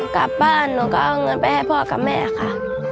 กลับบ้านหนูก็เอาเงินไปให้พ่อกับแม่ค่ะ